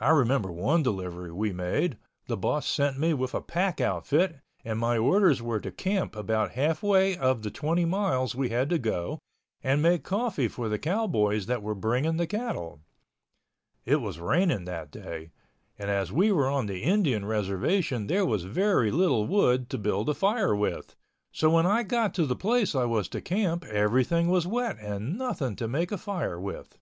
I remember one delivery we made, the boss sent me with a pack outfit and my orders were to camp about halfway of the twenty miles we had to go and make coffee for the cowboys that were bringing the cattle. It was raining that day, and as we were on the Indian reservation there was very little wood to build a fire with, so when I got to the place I was to camp everything was wet and nothing to make a fire with.